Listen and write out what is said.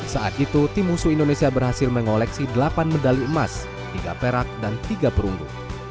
saat itu tim husu indonesia berhasil mengoleksi delapan medali emas tiga perak dan tiga perunggu